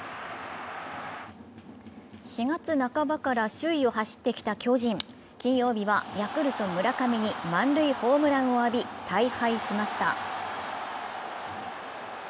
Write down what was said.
４月半ばから首位を走ってきた巨人金曜日はヤクルト・村上に満塁ホームランを浴び大敗しました。